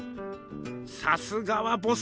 さすがはボス。